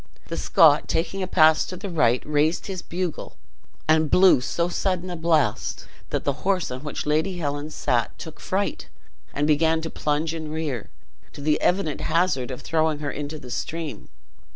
The Scot, taking a pass to the right, raised his bugle, and blew so sudden a blast that the horse on which Lady Helen sat took fright, and began to plunge and rear, to the evident hazard of throwing her into the stream.